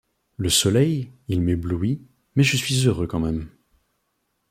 le soleil il m'éblouit mais je suis heureux quand même. .